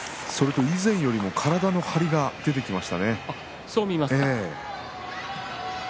以前よりも体の張りが出てきましたね。